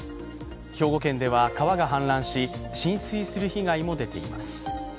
兵庫県では、川が氾濫し浸水する被害も出ています。